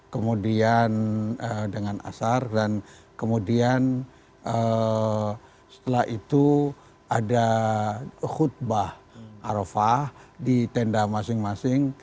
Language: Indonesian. kemudian dengan asar dan kemudian setelah itu ada khutbah arafah di tenda masing masing